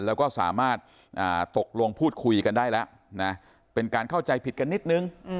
แล้วก็สามารถตกลงพูดคุยกันได้แล้วนะเป็นการเข้าใจผิดกันนิดนึง